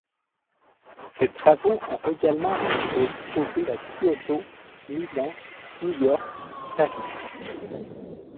Ses travaux ont également été exposés à Kyoto, Milan, New York, Paris.